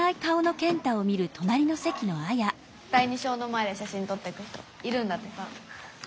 第二小の前でしゃしんとってく人いるんだってさ。